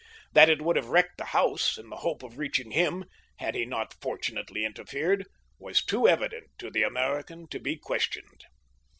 That it would have wrecked the house in the hope of reaching him, had he not fortunately interfered, was too evident to the American to be questioned.